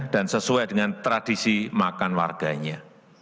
dan sesuai dengan tradisi makan warganya